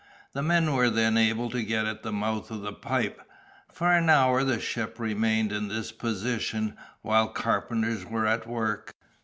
The men were then able to get at the mouth of the pipe. For an hour the ship remained in this position, while the carpenters were at work.